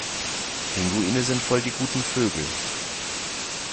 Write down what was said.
Pinguine sind voll die guten Vögel.